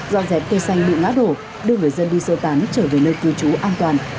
dọn dẹp cây xanh bị ngã đổ đưa người dân đi sơ tán trở về nơi cư trú an toàn